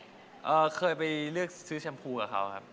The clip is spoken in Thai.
เคยไปเลือกซื้อแชมพูกับเขาครับ